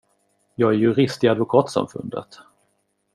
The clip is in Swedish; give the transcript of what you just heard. Jag är jurist i advokatsamfundet.